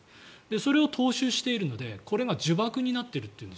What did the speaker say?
それを踏襲しているのでこれが呪縛になっていると。